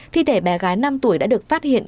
thi thể bé gái năm tuổi đã được phát hiện